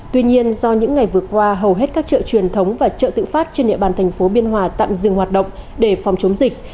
tuy nhiên do những ngày vừa qua hầu hết các chợ truyền thống và chợ tự phát trên địa bàn thành phố biên hòa tạm dừng hoạt động để phòng chống dịch